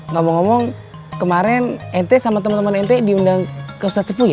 ngomong ngomong kemarin ente sama temen temen ente diundang ke ustadz sepu ya